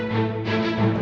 nanti aku kesini lagi